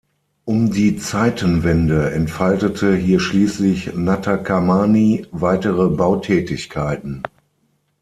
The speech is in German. Um die Zeitenwende entfaltete hier schließlich Natakamani weitere Bautätigkeiten.